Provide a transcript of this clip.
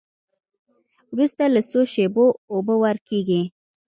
وروسته له څو شېبو اوبه ورکیږي.